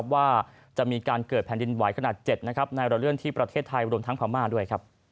ว่าจะมีการเกิดแผ่นดินไหวขนาด๗ในระเลื่อนที่ประเทศไทยรวมทั้งพม่าด้วย